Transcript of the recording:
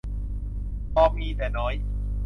พอมี แต่น้อย